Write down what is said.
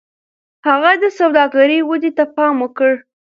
هغه د سوداګرۍ ودې ته پام وکړ.